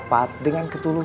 namulyana akan curah